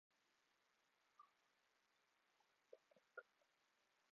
هغه وویل چې اور بل کړه.